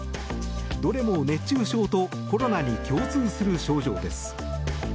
どれも熱中症とコロナに共通する症状です。